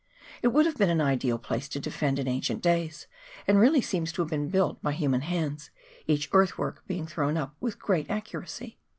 It would have been an ideal place to defend in ancient days, and really seems to have been built by human hands, each earthwork being thrown up with great accuracy.